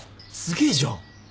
すげえじゃん。